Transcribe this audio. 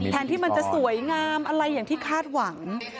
ที่มันจะสวยงามอะไรอย่างที่คาดหวัง